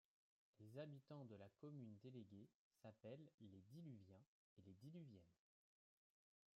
Les habitants de la commune déléguée s'appellent les Diluviens et les Diluviennes.